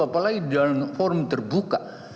apalagi dalam forum terbuka